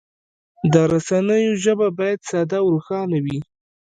د رسنیو ژبه باید ساده او روښانه وي.